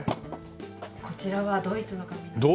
こちらはドイツの紙です。